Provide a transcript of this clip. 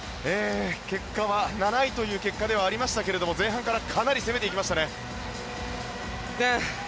結果は７位という結果ではありましたけれども前半からかなり攻めていきましたね。